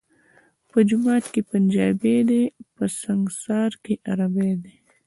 په جماعت کي پنجابی دی ، په سنګسار کي عربی دی